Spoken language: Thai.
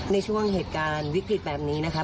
ในช่วงเหตุการณ์วิกฤตแบบนี้นะคะ